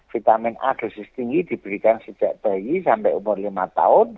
vitamin a dosis tinggi diberikan sejak bayi sampai umur lima tahun